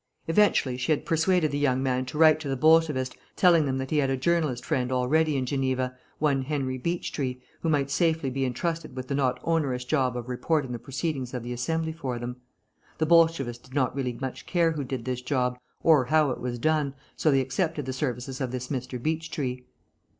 Eventually she had persuaded the young man to write to the Bolshevist telling them that he had a journalist friend already in Geneva, one Henry Beechtree, who might safely be entrusted with the not onerous job of reporting the proceedings of the Assembly for them. The Bolshevist did not really much care who did this job, or how it was done, so they accepted the services of this Mr. Beechtree.